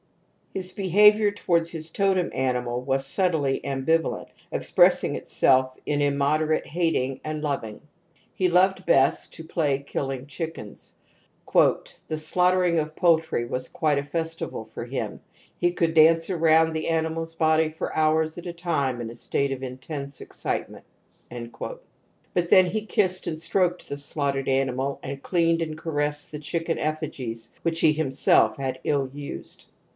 His behaviour towards his totem animalw as subtly ambivalent, ex pressing itself in inunoderate hating and loving. He loved best to play kiUing chi^tf iMk " The slaughtering of poultry was quite a festival for^ him. He could dance around the animals' bodies for hours at a time in a state of intense excitement •*." But then he kissed and stroked the slaughtered animal, and cleaned and cares sed the chicken effigies which he himself had ill used.